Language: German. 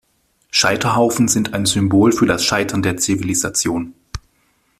Scheiterhaufen sind ein Symbol für das Scheitern der Zivilisation.